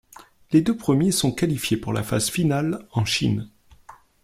Les deux premiers sont qualifiés pour la phase finale en Chine.